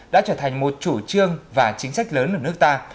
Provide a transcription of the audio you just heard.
đã trở thành một chủ trương và chính sách lớn ở nước ta